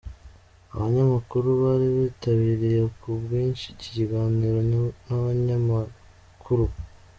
Abanyamakuru bari bitabiriye ku bwinshi iki kiganiro n'abanyamakuru.